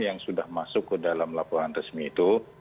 yang sudah masuk ke dalam laporan resmi itu